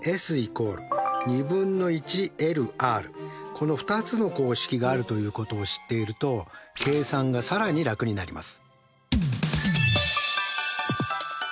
この２つの公式があるということを知っていると計算が更に楽になります。